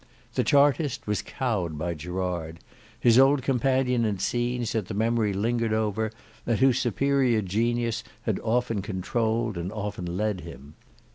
The Chartist was cowed by Gerard; his old companion in scenes that the memory lingered over, and whose superior genius had often controlled and often led him.